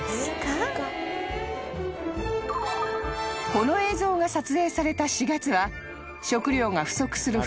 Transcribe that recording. ［この映像が撮影された４月は食料が不足する冬が明け